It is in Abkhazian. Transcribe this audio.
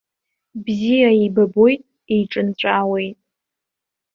Бзиа еибабоит, еиҿынҵәаауеит.